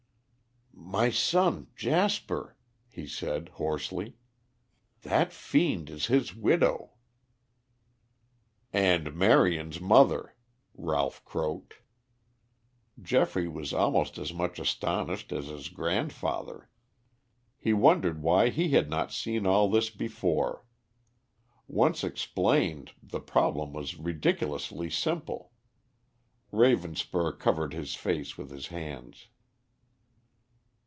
"My son, Jasper," he said hoarsely. "That fiend is his widow." "And Marion's mother," Ralph croaked. Geoffrey was almost as much astonished as his grandfather. He wondered why he had not seen all this before. Once explained, the problem was ridiculously simple. Ravenspur covered his face with his hands.